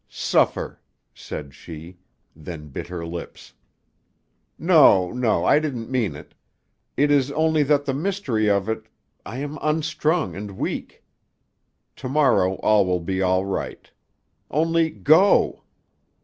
"Suffer," said she. Then bit her lips. "No! No! I didn't mean it. It is only that the mystery of it—I am unstrung and weak. To morrow all will be right. Only go."